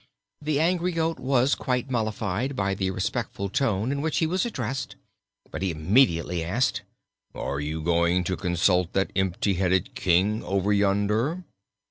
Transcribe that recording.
The angry goat was quite mollified by the respectful tone in which he was addressed, but he immediately asked: "Are you also going to consult that empty headed King over yonder?"